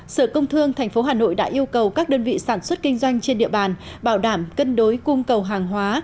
sở công thương tp hà nội đã yêu cầu các đơn vị sản xuất kinh doanh trên địa bàn bảo đảm cân đối cung cầu hàng hóa